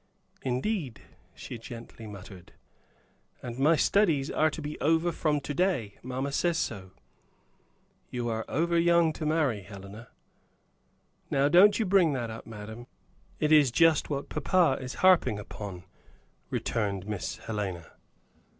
"Indeed!" she gently uttered. "And my studies are to be over from to day, Mamma says so." "You are over young to marry, Helena." "Now don't you bring up that, madam. It is just what papa is harping upon," returned Miss Helena.